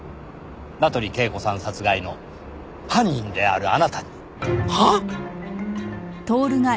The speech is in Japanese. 名取恵子さん殺害の犯人であるあなたに。はあ！？